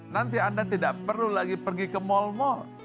nanti anda tidak perlu lagi pergi ke mall mall